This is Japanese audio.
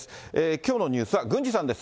きょうのニュースは郡司さんです。